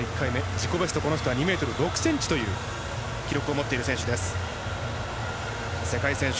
自己ベスト、この人は２ｍ６ｃｍの記録を持っている選手。